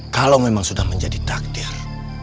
kalau memang sudah menjadi takdir